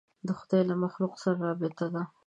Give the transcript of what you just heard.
د خدای له مخلوقاتو سره رابطه ده.